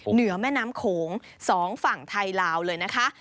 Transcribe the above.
เหนือแม่น้ำโขง๒ฝั่งไทยลาวเลยนะคะ